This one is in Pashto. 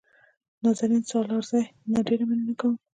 د نازنین سالارزي نه ډېره مننه کوم.